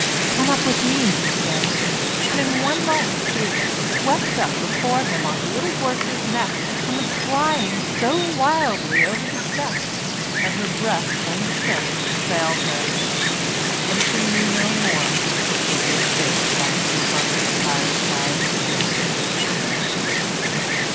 "Come up with me," he said; and in one moment she had been swept up before him on the little horse's neck, and was flying so wildly over the Steppes that her breath and sense failed her, and she knew no more till she was safe by Mrs. Bunker's fireside again.